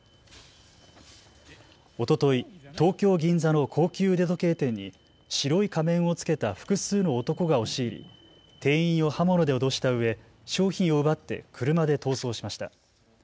おととい、東京銀座の高級腕時計店に白い仮面を着けた複数の男が押し入り店員を刃物で脅したうえ商品を奪って車で逃走しました。